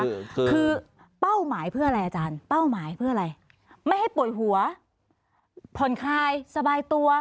คือเป้าหมายเพื่ออะไรอาจารย์ไม่ให้ปวดหัวผ่อนคลายสบายตัว